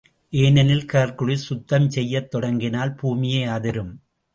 ஏனெனில், ஹர்க்குலிஸ் சுத்தம் செய்யத் தொடங்கினால், பூமியே அதிரும்!